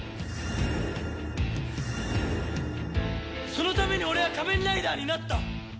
そのために俺は仮面ライダーになった。